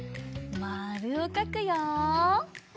まるをかくよ。